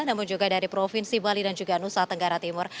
namun juga dari provinsi bali dan juga nusa tenggara timur